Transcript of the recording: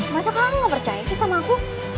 masa kakak gak percaya sih sama aku